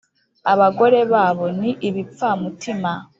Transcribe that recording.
abagore babo ni ibipfamutima,